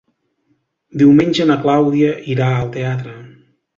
Diumenge na Clàudia irà al teatre.